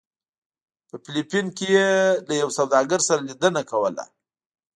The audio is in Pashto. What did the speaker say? په فلپین کې یې له یو سوداګر سره لیدنه کوله.